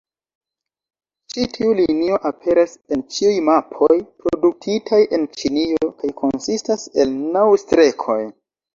Ĉi tiu linio aperas en ĉiuj mapoj produktitaj en Ĉinio, kaj konsistas el naŭ-strekoj.